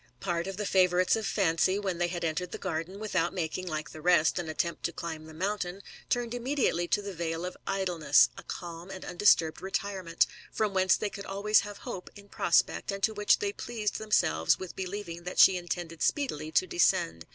Part of the favourites of Fancv, when they had entered the garden; without making, like the rest, an attempt to climb the mountain, turned immediately to the vale of Idleness, a calm and undisturhed retirement, from whence they could always have Hope in prospect, and to which they pleased themselves with believing that she intended speedily to descend.